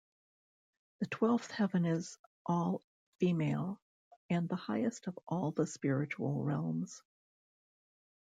The Twelfth Heaven is all Female and the Highest of all the Spiritual Realms.